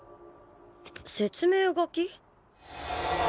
説明書き？